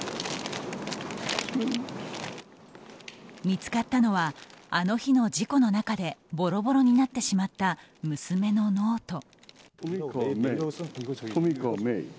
見つかったのはあの日の事故の中でボロボロになってしまった娘のノート。